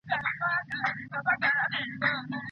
ګوتي بې غمي نه وي.